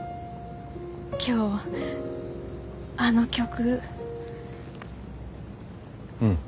今日あの曲う。